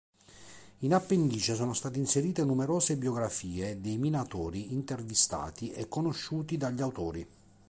In appendice sono state inserite numerose biografie dei minatori intervistati e conosciuti dagli autori.